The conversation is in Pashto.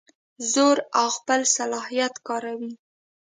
زور او خپل صلاحیت کاروي.